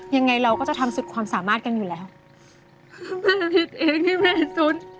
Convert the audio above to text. ยังไงเราก็จะทำสุดความสามารถกันอยู่แล้วเพื่อคิดเองที่มันเป็นสุด